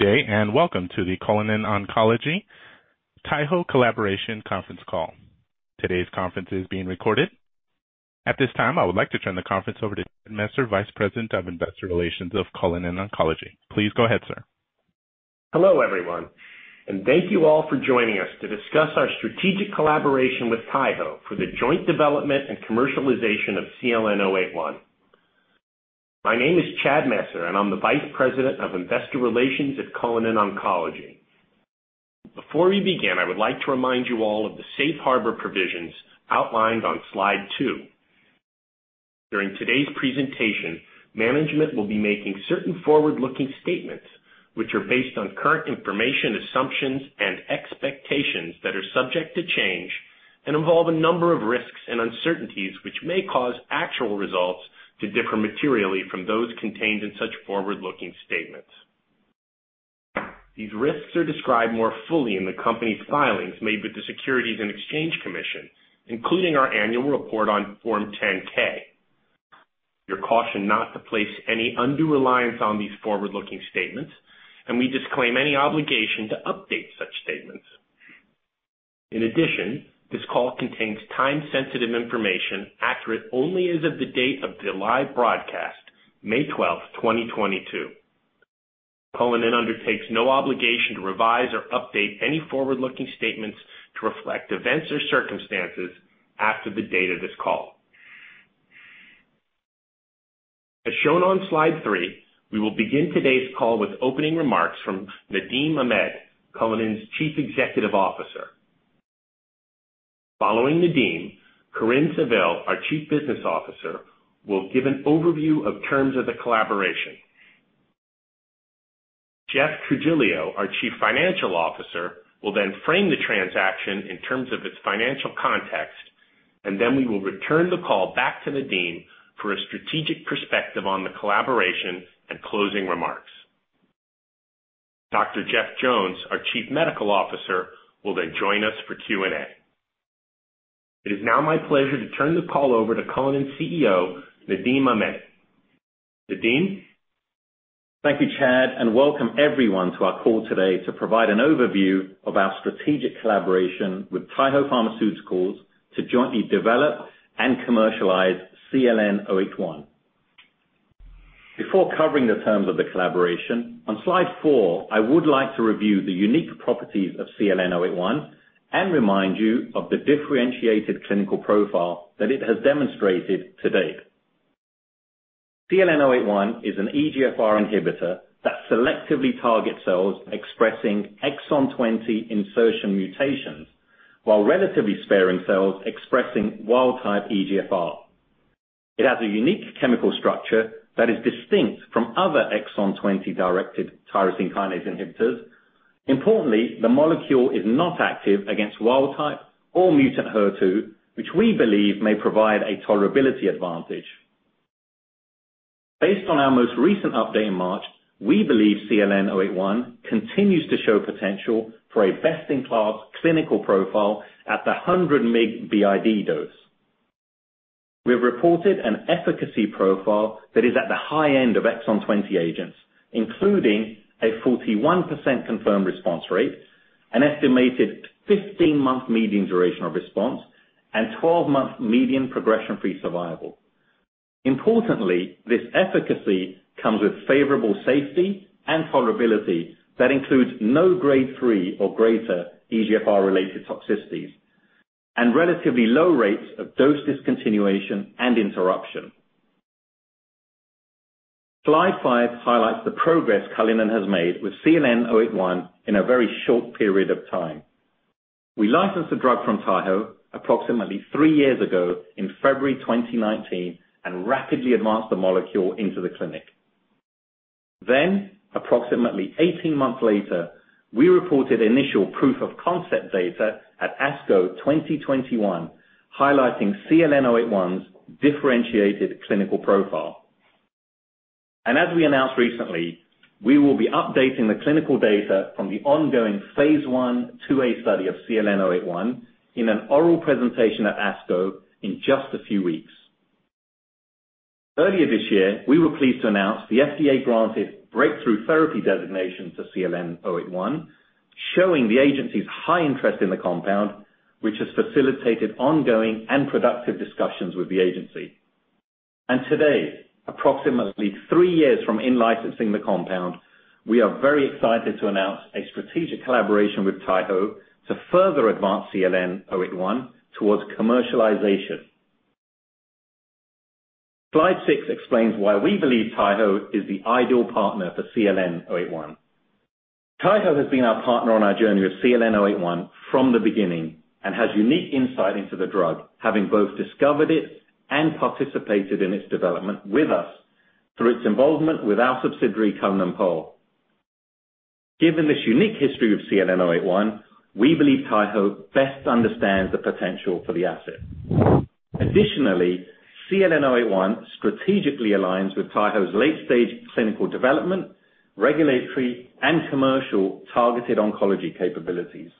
Good day, and welcome to the Cullinan Oncology Taiho Collaboration Conference Call. Today's conference is being recorded. At this time, I would like to turn the conference over to Chad Messer, Vice President of Investor Relations of Cullinan Oncology. Please go ahead, sir. Hello, everyone, and thank you all for joining us to discuss our strategic collaboration with Taiho for the joint development and commercialization of CLN-081. My name is Chad Messer, and I'm the Vice President of Investor Relations at Cullinan Therapeutics. Before we begin, I would like to remind you all of the safe harbor provisions outlined on Slide two. During today's presentation, management will be making certain forward-looking statements which are based on current information, assumptions and expectations that are subject to change and involve a number of risks and uncertainties which may cause actual results to differ materially from those contained in such forward-looking statements. These risks are described more fully in the company's filings made with the Securities and Exchange Commission, including our annual report on Form 10-K. You're cautioned not to place any undue reliance on these forward-looking statements, and we disclaim any obligation to update such statements. In addition, this call contains time-sensitive information, accurate only as of the date of the live broadcast, May 12, 2022. Cullinan undertakes no obligation to revise or update any forward-looking statements to reflect events or circumstances after the date of this call. As shown on Slide three, we will begin today's call with opening remarks from Nadim Ahmed, Cullinan's Chief Executive Officer. Following Nadim, Corinne Savill, our Chief Business Officer, will give an overview of terms of the collaboration. Jeff Trigilio, our Chief Financial Officer, will then frame the transaction in terms of its financial context, and then we will return the call back to Nadim for a strategic perspective on the collaboration and closing remarks. Dr. Jeff Jones, our Chief Medical Officer, will then join us for Q&A. It is now my pleasure to turn the call over to Cullinan CEO, Nadim Ahmed. Nadim. Thank you, Chad, and welcome everyone to our call today to provide an overview of our strategic collaboration with Taiho Pharmaceuticals to jointly develop and commercialize zipalertinib. Before covering the terms of the collaboration, on Slide four, I would like to review the unique properties of zipalertinib and remind you of the differentiated clinical profile that it has demonstrated to date. Zipalertinib is an EGFR inhibitor that selectively targets cells expressing exon 20 insertion mutations, while relatively sparing cells expressing wild-type EGFR. It has a unique chemical structure that is distinct from other exon 20-directed tyrosine kinase inhibitors. Importantly, the molecule is not active against wild-type or mutant HER2, which we believe may provide a tolerability advantage. Based on our most recent update in March, we believe zipalertinib continues to show potential for a best-in-class clinical profile at the 100 mg BID dose. We have reported an efficacy profile that is at the high end of exon 20 agents, including a 41% confirmed response rate, an estimated 15-month median duration of response, and 12-month median progression-free survival. Importantly, this efficacy comes with favorable safety and tolerability that includes no Grade three or greater EGFR-related toxicities and relatively low rates of dose discontinuation and interruption. Slide five highlights the progress Cullinan has made with zipalertinib in a very short period of time. We licensed the drug from Taiho approximately three years ago in February 2019 and rapidly advanced the molecule into the clinic. Approximately 18 months later, we reported initial proof-of-concept data at ASCO 2021, highlighting zipalertinib's differentiated clinical profile. As we announced recently, we will be updating the clinical data from the ongoing Phase 1/2a study of zipalertinib in an oral presentation at ASCO in just a few weeks. Earlier this year, we were pleased to announce the FDA-granted Breakthrough Therapy Designation to zipalertinib, showing the agency's high interest in the compound, which has facilitated ongoing and productive discussions with the agency. Today, approximately three years from in-licensing the compound, we are very excited to announce a strategic collaboration with Taiho to further advance zipalertinib towards commercialization. Slide 6 explains why we believe Taiho is the ideal partner for zipalertinib. Taiho has been our partner on our journey with zipalertinib from the beginning and has unique insight into the drug, having both discovered it and participated in its development with us through its involvement with our subsidiary, Cullinan Hall. Given this unique history with zipalertinib, we believe Taiho best understands the potential for the asset. Additionally, zipalertinib strategically aligns with Taiho's late-stage clinical development, regulatory, and commercial targeted oncology capabilities.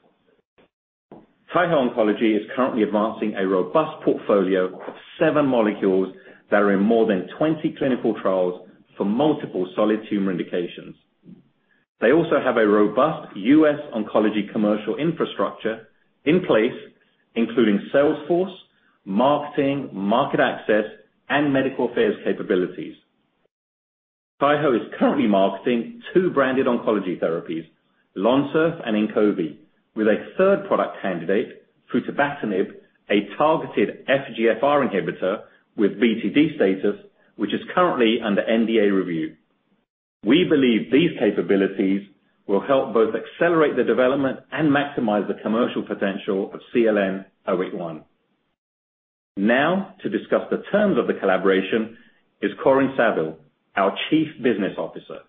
Taiho Oncology is currently advancing a robust portfolio of seven molecules that are in more than 20 clinical trials for multiple solid tumor indications. They also have a robust U.S. oncology commercial infrastructure in place, including sales force, marketing, market access, and medical affairs capabilities. Taiho is currently marketing two branded oncology therapies, LONSURF and LYTGOBI, with a third product candidate, futibatinib, a targeted FGFR inhibitor with BTD status, which is currently under NDA review. We believe these capabilities will help both accelerate the development and maximize the commercial potential of CLN-081. Now to discuss the terms of the collaboration is Corinne Savill, our Chief Business Officer.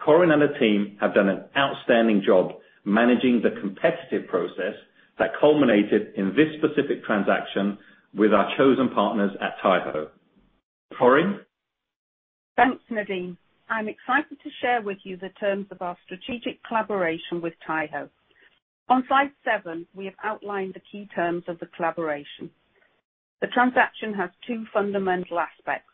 Corinne and her team have done an outstanding job managing the competitive process that culminated in this specific transaction with our chosen partners at Taiho. Corinne. Thanks, Nadim. I'm excited to share with you the terms of our strategic collaboration with Taiho. On slide seven, we have outlined the key terms of the collaboration. The transaction has two fundamental aspects,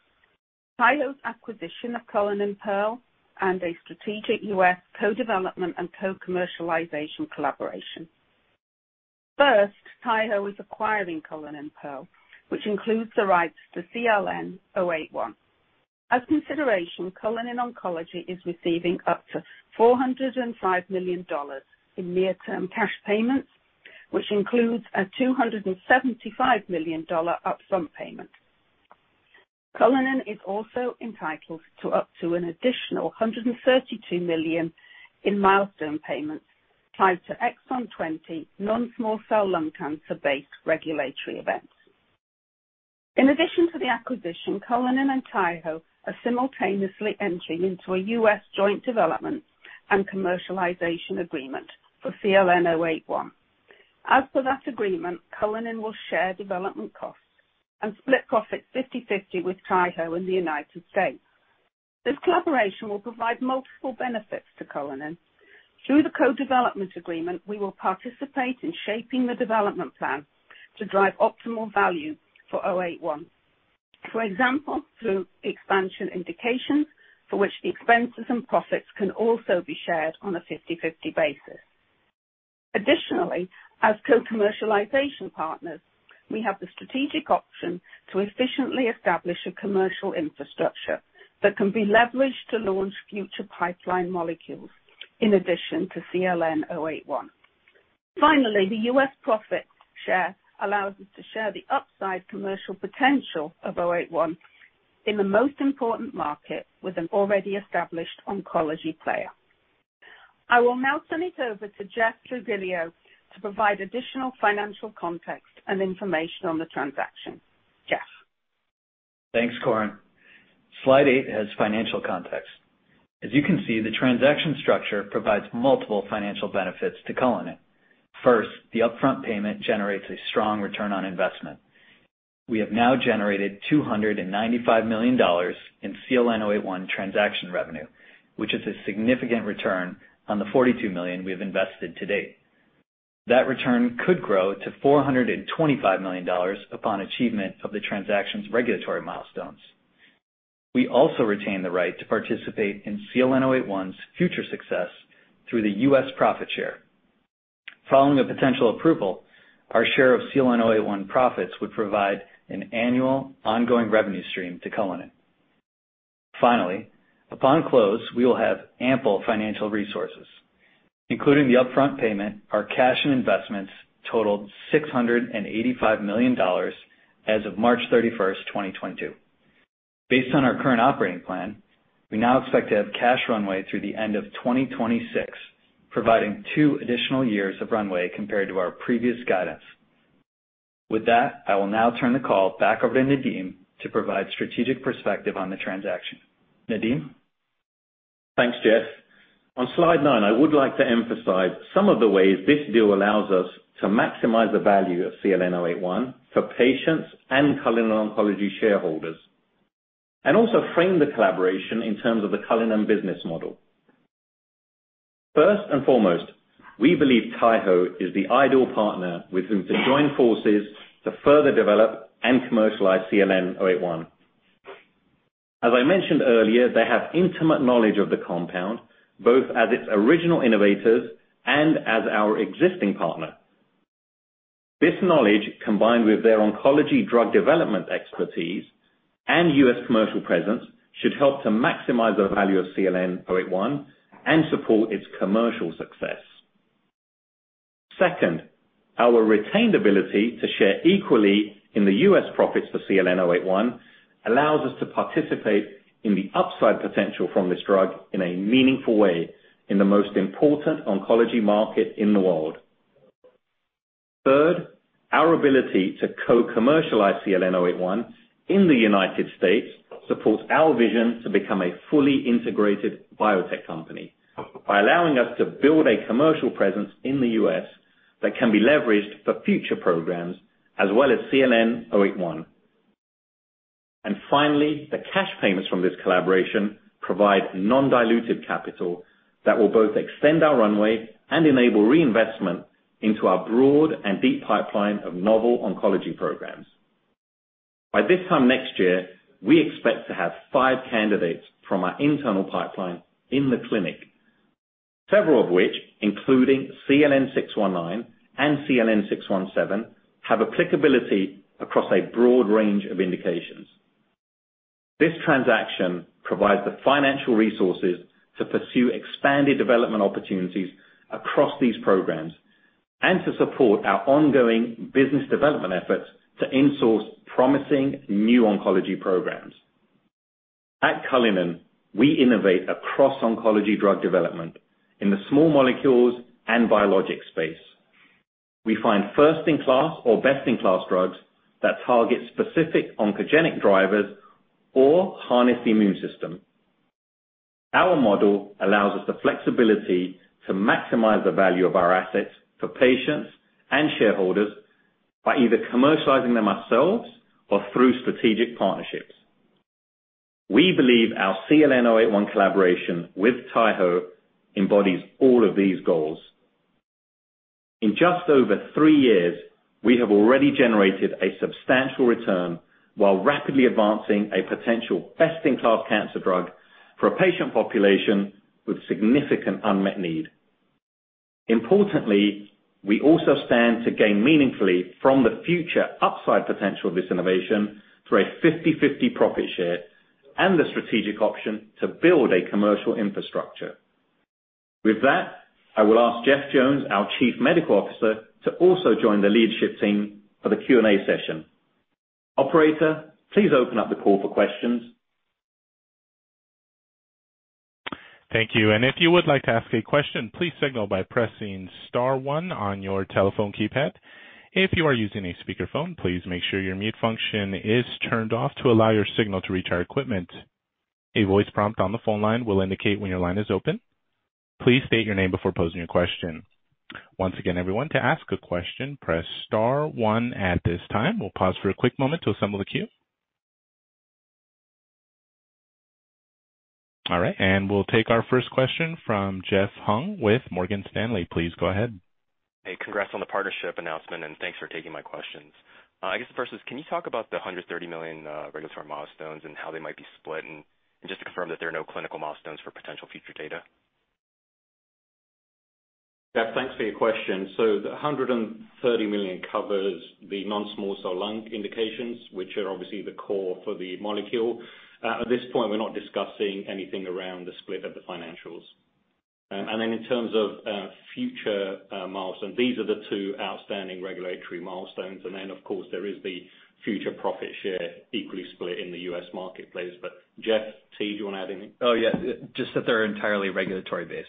Taiho's acquisition of Cullinan Pearl, and a strategic U.S. co-development and co-commercialization collaboration. First, Taiho is acquiring Cullinan Pearl, which includes the rights to CLN-081. As consideration, Cullinan Therapeutics is receiving up to $405 million in near-term cash payments, which includes a $275 million upfront payment. Cullinan is also entitled to up to an additional $132 million in milestone payments tied to exon 20 non-small cell lung cancer-based regulatory events. In addition to the acquisition, Cullinan and Taiho are simultaneously entering into a US joint development and commercialization agreement for CLN-081. As for that agreement, Cullinan will share development costs and split profits 50/50 with Taiho in the United States. This collaboration will provide multiple benefits to Cullinan. Through the co-development agreement, we will participate in shaping the development plan to drive optimal value for CLN-081. For example, through expanding indications for which the expenses and profits can also be shared on a 50/50 basis. Additionally, as co-commercialization partners, we have the strategic option to efficiently establish a commercial infrastructure that can be leveraged to launch future pipeline molecules in addition to CLN-081. Finally, the U.S. profit share allows us to share the upside commercial potential of CLN-081 in the most important market with an already established oncology player. I will now turn it over to Jeff Trigilio to provide additional financial context and information on the transaction. Jeff. Thanks, Corinne. Slide eight has financial context. As you can see, the transaction structure provides multiple financial benefits to Cullinan. First, the upfront payment generates a strong return on investment. We have now generated $295 million in CLN-081 transaction revenue, which is a significant return on the $42 million we have invested to date. That return could grow to $425 million upon achievement of the transaction's regulatory milestones. We also retain the right to participate in CLN-081's future success through the U.S. profit share. Following a potential approval, our share of CLN-081 profits would provide an annual ongoing revenue stream to Cullinan. Finally, upon close, we will have ample financial resources, including the upfront payment, our cash and investments totaled $685 million as of March 31st, 2022. Based on our current operating plan, we now expect to have cash runway through the end of 2026, providing two additional years of runway compared to our previous guidance. With that, I will now turn the call back over to Nadim to provide strategic perspective on the transaction. Nadim. Thanks, Jeff. On slide nine, I would like to emphasize some of the ways this deal allows us to maximize the value of CLN-081 for patients and Cullinan Oncology shareholders, and also frame the collaboration in terms of the Cullinan business model. First and foremost, we believe Taiho is the ideal partner with whom to join forces to further develop and commercialize CLN-081. As I mentioned earlier, they have intimate knowledge of the compound, both as its original innovators and as our existing partner. This knowledge, combined with their oncology drug development expertise and U.S. commercial presence, should help to maximize the value of CLN-081 and support its commercial success. Second, our retained ability to share equally in the U.S. profits for CLN-081 allows us to participate in the upside potential from this drug in a meaningful way in the most important oncology market in the world. Third, our ability to co-commercialize CLN-081 in the United States supports our vision to become a fully integrated biotech company by allowing us to build a commercial presence in the U.S. that can be leveraged for future programs as well as CLN-081. Finally, the cash payments from this collaboration provide non-dilutive capital that will both extend our runway and enable reinvestment into our broad and deep pipeline of novel oncology programs. By this time next year, we expect to have five candidates from our internal pipeline in the clinic, several of which, including CLN-619 and CLN-617, have applicability across a broad range of indications. This transaction provides the financial resources to pursue expanded development opportunities across these programs and to support our ongoing business development efforts to in-source promising new oncology programs. At Cullinan, we innovate across oncology drug development in the small molecules and biologic space. We find first-in-class or best-in-class drugs that target specific oncogenic drivers or harness the immune system. Our model allows us the flexibility to maximize the value of our assets for patients and shareholders by either commercializing them ourselves or through strategic partnerships. We believe our CLN-081 collaboration with Taiho embodies all of these goals. In just over three years, we have already generated a substantial return while rapidly advancing a potential best-in-class cancer drug for a patient population with significant unmet need. Importantly, we also stand to gain meaningfully from the future upside potential of this innovation through a 50/50 profit share and the strategic option to build a commercial infrastructure. With that, I will ask Jeff Jones, our Chief Medical Officer, to also join the leadership team for the Q&A session. Operator, please open up the call for questions. Thank you. If you would like to ask a question, please signal by pressing star one on your telephone keypad. If you are using a speakerphone, please make sure your mute function is turned off to allow your signal to reach our equipment. A voice prompt on the phone line will indicate when your line is open. Please state your name before posing your question. Once again, everyone, to ask a question, press star one at this time. We'll pause for a quick moment to assemble the queue. All right. We'll take our first question from Jeff Hung with Morgan Stanley. Please go ahead. Hey, congrats on the partnership announcement, and thanks for taking my questions. I guess the first is, can you talk about the $130 million regulatory milestones and how they might be split? Just to confirm that there are no clinical milestones for potential future data. Jeff, thanks for your question. The $130 million covers the non-small cell lung indications, which are obviously the core for the molecule. At this point, we're not discussing anything around the split of the financials. In terms of future milestones, these are the two outstanding regulatory milestones. Of course, there is the future profit share equally split in the U.S. marketplace. Jeff Trigilio, do you wanna add anything? Oh, yeah. Just that they're entirely regulatory based.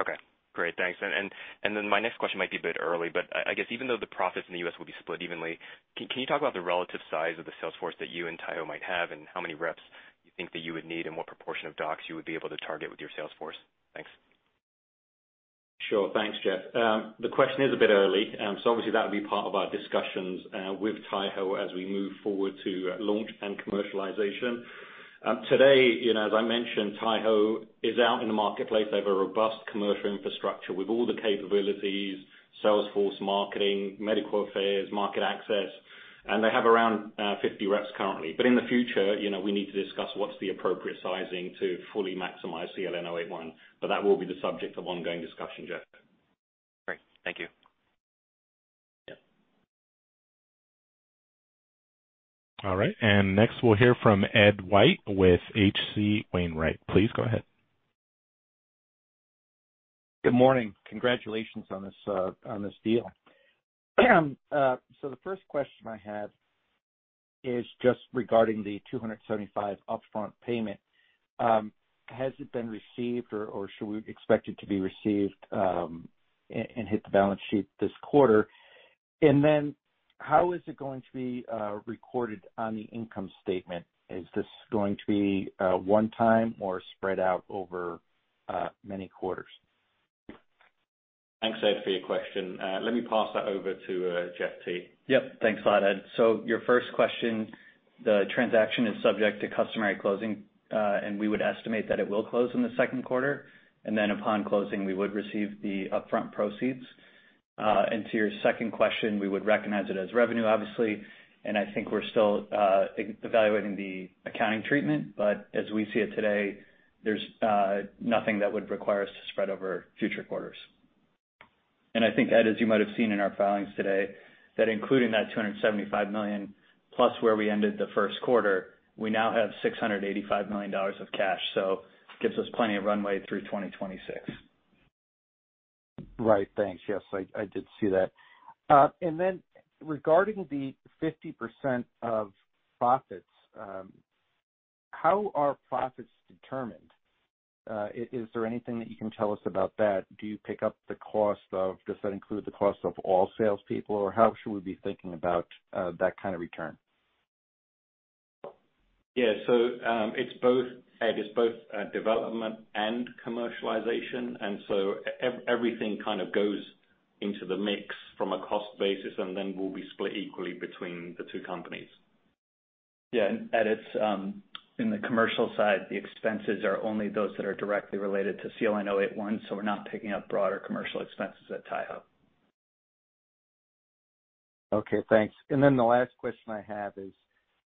Okay, great. Thanks. My next question might be a bit early, but I guess even though the profits in the U.S. will be split evenly, can you talk about the relative size of the sales force that you and Taiho might have, and how many reps you think that you would need, and what proportion of docs you would be able to target with your sales force? Thanks. Sure. Thanks, Jeff. The question is a bit early. Obviously that'll be part of our discussions with Taiho as we move forward to launch and commercialization. Today, you know, as I mentioned, Taiho is out in the marketplace. They have a robust commercial infrastructure with all the capabilities, sales force, marketing, medical affairs, market access, and they have around 50 reps currently. In the future, you know, we need to discuss what's the appropriate sizing to fully maximize CLN-081, but that will be the subject of ongoing discussion, Jeff. Great. Thank you. Yeah. All right, next we'll hear from Ed White with H.C. Wainwright. Please go ahead. Good morning. Congratulations on this deal. The first question I had is just regarding the $275 upfront payment. Has it been received or should we expect it to be received and hit the balance sheet this quarter? How is it going to be recorded on the income statement? Is this going to be one time or spread out over many quarters? Thanks, Ed, for your question. Let me pass that over to Jeff T. Yep. Thanks a lot, Ed. Your first question, the transaction is subject to customary closing, and we would estimate that it will close in the Q2, and then upon closing, we would receive the upfront proceeds. To your second question, we would recognize it as revenue, obviously, and I think we're still evaluating the accounting treatment, but as we see it today, there's nothing that would require us to spread over future quarters. I think, Ed, as you might have seen in our filings today, that including that $275 million plus where we ended the Q1, we now have $685 million of cash, so gives us plenty of runway through 2026. Right. Thanks. Yes, I did see that. Regarding the 50% of profits, how are profits determined? Is there anything that you can tell us about that? Does that include the cost of all salespeople, or how should we be thinking about that kind of return? Yeah. It's both. Ed, it's both, development and commercialization. Everything kind of goes into the mix from a cost basis and then will be split equally between the two companies. It's in the commercial side, the expenses are only those that are directly related to CLN-081, so we're not picking up broader commercial expenses at Taiho. Okay, thanks. Then the last question I have is,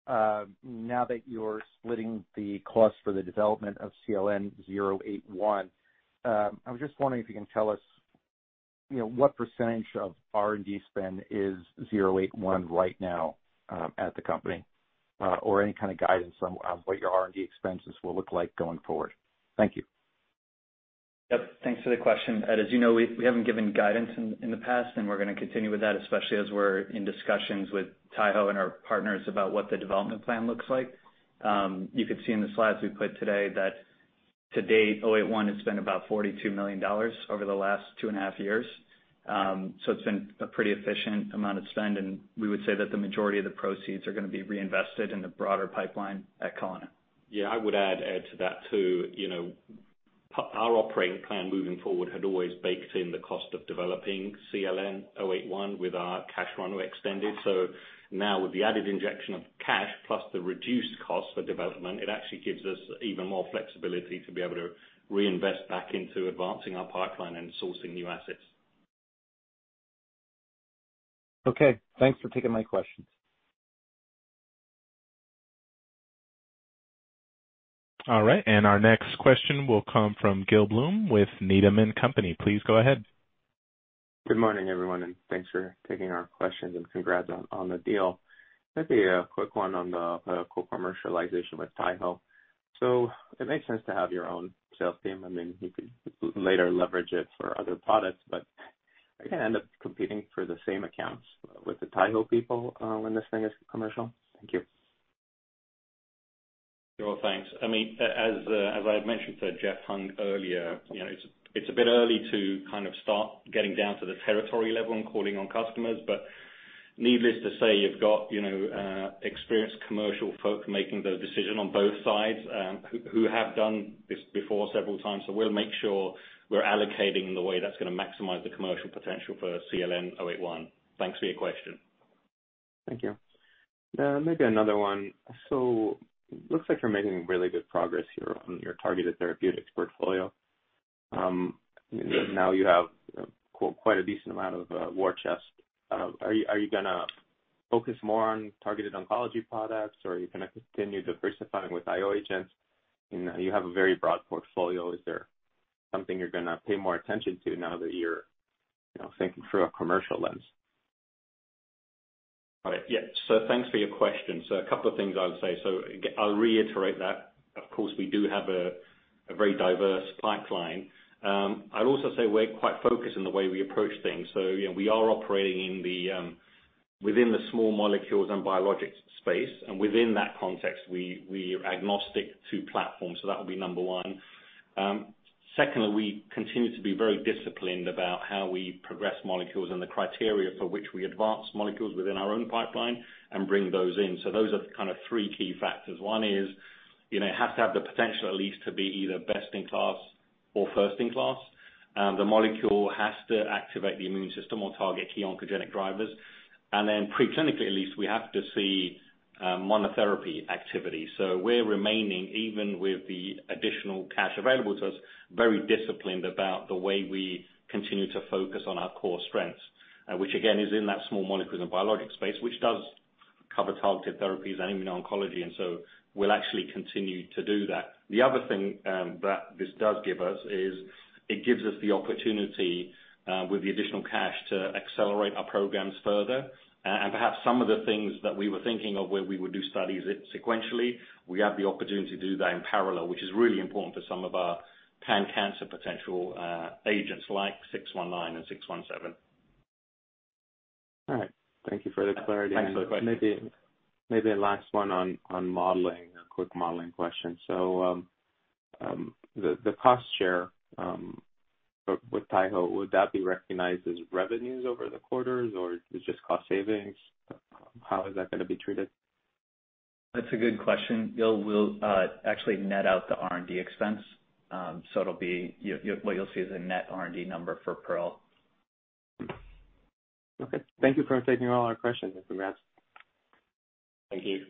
now that you're splitting the cost for the development of CLN-081, I was just wondering if you can tell us, you know, what percentage of R&D spend is CLN-081 right now, at the company. Or any kind of guidance on what your R&D expenses will look like going forward. Thank you. Yep. Thanks for the question. Ed, as you know, we haven't given guidance in the past, and we're gonna continue with that, especially as we're in discussions with Taiho and our partners about what the development plan looks like. You could see in the slides we put today that to date, CLN-081 has spent about $42 million over the last two and a half years. So it's been a pretty efficient amount of spend, and we would say that the majority of the proceeds are gonna be reinvested in the broader pipeline at Calli. Yeah. I would add, Ed, to that too. You know, our operating plan moving forward had always baked in the cost of developing CLN-081 with our cash runway extended. Now with the added injection of cash plus the reduced cost for development, it actually gives us even more flexibility to be able to reinvest back into advancing our pipeline and sourcing new assets. Okay. Thanks for taking my questions. All right. Our next question will come from Gil Blum with Needham & Company. Please go ahead. Good morning, everyone, and thanks for taking our questions, and congrats on the deal. Maybe a quick one on the co-commercialization with Taiho. It makes sense to have your own sales team. I mean, you could later leverage it for other products, but are you gonna end up competing for the same accounts with the Taiho people, when this thing is commercial? Thank you. Sure. Thanks. I mean, as I had mentioned to Jeff Hung earlier, you know, it's a bit early to kind of start getting down to the territory level and calling on customers. Needless to say, you've got, you know, experienced commercial folks making the decision on both sides, who have done this before several times. We'll make sure we're allocating in the way that's gonna maximize the commercial potential for CLN-081. Thanks for your question. Thank you. Maybe another one. Looks like you're making really good progress here on your targeted therapeutics portfolio. Now you have quite a decent amount of war chest. Are you gonna focus more on targeted oncology products or are you gonna continue diversifying with IO agents? You know, you have a very broad portfolio. Is there something you're gonna pay more attention to now that you're, you know, thinking through a commercial lens? Got it. Yeah. Thanks for your question. A couple of things I would say. I'll reiterate that, of course, we do have a very diverse pipeline. I'd also say we're quite focused in the way we approach things. You know, we are operating within the small molecules and biologics space, and within that context we are agnostic to platforms. That would be number one. Secondly, we continue to be very disciplined about how we progress molecules and the criteria for which we advance molecules within our own pipeline and bring those in. Those are the kind of three key factors. One is, you know, it has to have the potential at least to be either best in class or first in class. The molecule has to activate the immune system or target key oncogenic drivers. Pre-clinically at least, we have to see, monotherapy activity. We're remaining, even with the additional cash available to us, very disciplined about the way we continue to focus on our core strengths, which again, is in that small molecules and biologics space, which does cover targeted therapies and immuno-oncology. We'll actually continue to do that. The other thing that this does give us is it gives us the opportunity, with the additional cash to accelerate our programs further. Perhaps some of the things that we were thinking of where we would do studies sequentially, we have the opportunity to do that in parallel, which is really important for some of our pan-cancer potential agents like CLN-619 and CLN-617. All right. Thank you for the clarity. Thanks for the question. Maybe a last one on modeling. A quick modeling question. The cost share with Taiho, would that be recognized as revenues over the quarters or is it just cost savings? How is that gonna be treated? That's a good question, Gil. We'll actually net out the R&D expense. It'll be what you'll see is a net R&D number for Pearl. Okay. Thank you for taking all our questions, and congrats. Thank you.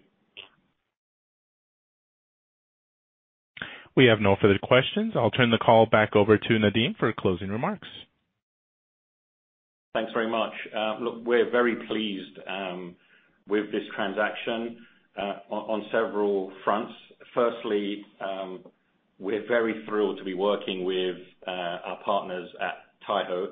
We have no further questions. I'll turn the call back over to Nadim for closing remarks. Thanks very much. Look, we're very pleased with this transaction on several fronts. Firstly, we're very thrilled to be working with our partners at Taiho.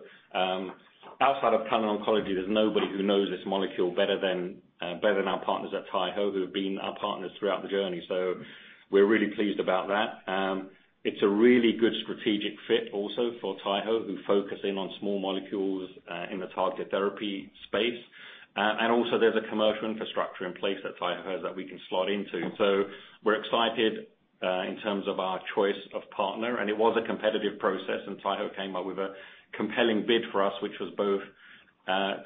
Outside of clinical oncology, there's nobody who knows this molecule better than our partners at Taiho, who have been our partners throughout the journey. We're really pleased about that. It's a really good strategic fit also for Taiho, who focus in on small molecules in the targeted therapy space. And also there's a commercial infrastructure in place at Taiho that we can slot into. We're excited in terms of our choice of partner, and it was a competitive process, and Taiho came up with a compelling bid for us, which was both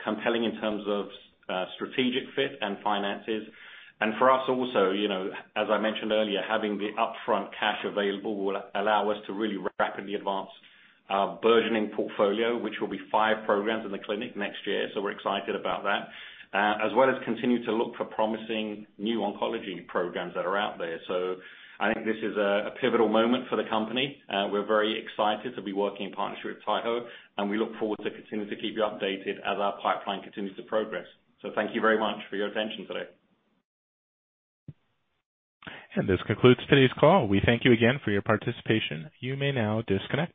compelling in terms of strategic fit and finances. For us also, you know, as I mentioned earlier, having the upfront cash available will allow us to really rapidly advance our burgeoning portfolio, which will be five programs in the clinic next year. We're excited about that, as well as continue to look for promising new oncology programs that are out there. I think this is a pivotal moment for the company. We're very excited to be working in partnership with Taiho, and we look forward to continuing to keep you updated as our pipeline continues to progress. Thank you very much for your attention today. This concludes today's call. We thank you again for your participation. You may now disconnect.